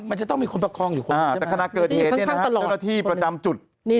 มันจะต้องมีคนประคองอยู่แต่ขณะเกิดเหตุเจ้าหน้าที่ประจำจุด